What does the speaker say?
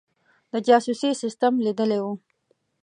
د جاسوسي سسټم لیدلی وو.